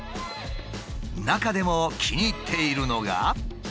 中でも気に入っているのが。